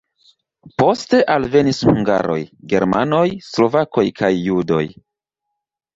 Poste alvenis hungaroj, germanoj, slovakoj kaj judoj.